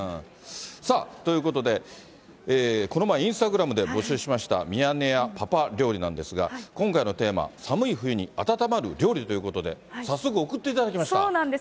さあ、ということで、この前、インスタグラムで募集しました、ミヤネ屋パパ料理なんですが、今回のテーマ、寒い冬にあたたまる料理ということで、早速、送っていただきましそうなんです。